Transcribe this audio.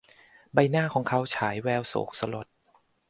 ใบหน้าของเขาฉายแววโศกสลด